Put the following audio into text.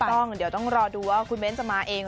ต้องเดี๋ยวต้องรอดูว่าคุณเบ้นจะมาเอง